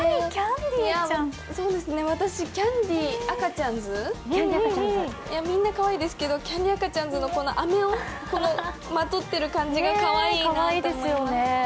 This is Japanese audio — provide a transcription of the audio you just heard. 私、キャンディ赤ちゃんズ、みんなかわいいけど、キャンディ赤ちゃんズの飴をまとっている感じがかわいいなと思います。